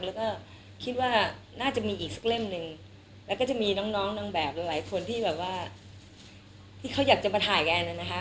แล้วก็คิดว่าน่าจะมีอีกสักเล่มหนึ่งแล้วก็จะมีน้องนางแบบหลายคนที่แบบว่าที่เขาอยากจะมาถ่ายกันนะคะ